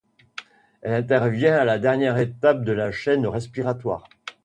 Elle intervient à la dernière étape de la chaîne respiratoire.